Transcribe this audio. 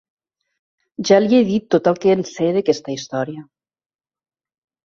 Ja li he dit tot el que en sé, d'aquesta història.